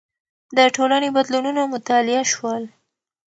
د ټولنې بدلونونه مطالعه شول.